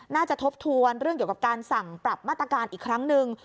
ทบทวนเรื่องเกี่ยวกับการสั่งปรับมาตรการอีกครั้งหนึ่ง